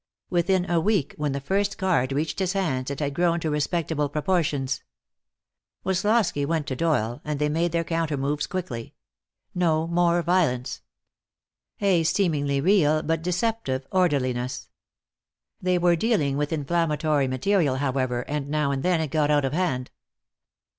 Within a week, when the first card reached his hands, it had grown to respectable proportions. Woslosky went to Doyle, and they made their counter moves quickly. No more violence. A seemingly real but deceptive orderliness. They were dealing with inflammatory material, however, and now and then it got out of hand.